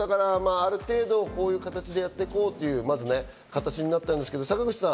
ある程度、こういう形でやって行こうという形になったんですけど、坂口さん。